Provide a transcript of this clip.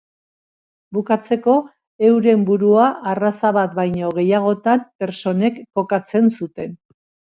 Bukatzeko euren burua arraza bat baino gehiagotan pertsonek kokatzen zuten.